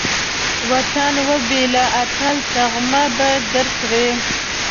وطن وبېله، اتل تمغه به درکړي